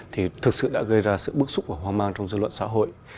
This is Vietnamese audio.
thì thực sự đã gây ra sự bức xúc và hoang mang trong dân luận xã hội